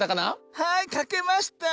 はいかけました！